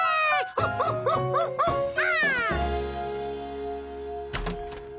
ホホホホホハ！